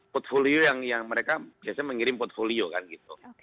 portfolio yang mereka biasanya mengirim portfolio kan gitu